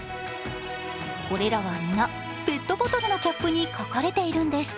これらは皆ペットボトルのキャップに描かれているんです。